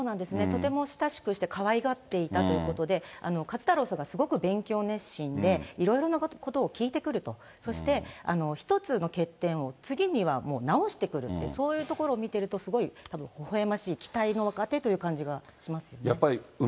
とても親しくしてかわいがっていたということで、壱太郎さんがすごく勉強熱心で、いろいろなことを聞いてくると、そして、一つの欠点を、もう次にはもう直してくるって、そういうところを見てると、すごいほほえましい、期待の若手という感じがしますよね。